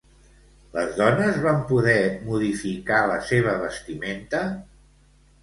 Les dones van poder modificar la seva vestimenta?